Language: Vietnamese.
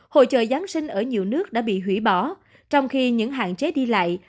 hội chợ giáng sinh ở nhiều nước đã bị hủy bỏ trong khi những hạn chế đi lại